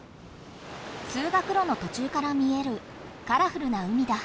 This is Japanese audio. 通学ろのとちゅうから見えるカラフルな海だ。